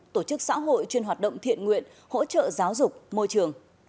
tổ chức xã hội chuyên hoạt động thiện nguyện hỗ trợ giáo dục môi trường